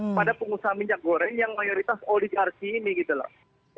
kepada pengusaha minyak goreng yang mayoritas oligarki ini gitu loh